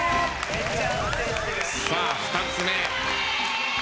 さあ２つ目。